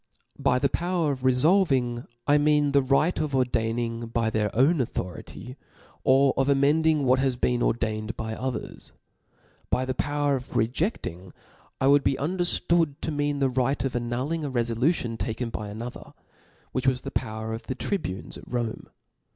By the power of refolving^ I mean the right of ordaining by their own authority, or of amend ing what has been ordained by others. By the O F L A W S. 229 fowtr of rejeSingj I would be underftood to mean Book the right of annulling a rcfdlution taken by an cbto?'^. other; which was the power of the tribunes at Rome.